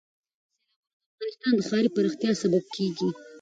سیلابونه د افغانستان د ښاري پراختیا سبب کېږي.